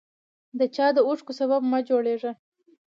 د چا د اوښکو سبب مه جوړیږه